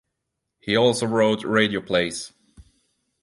He also wrote radio plays.